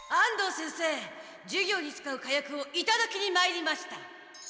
授業に使う火薬をいただきにまいりました。